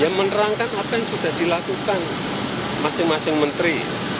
ya menerangkan apa yang sudah dilakukan masing masing menteri